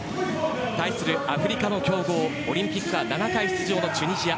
対するアフリカの強豪オリンピックは７回出場のチュニジア。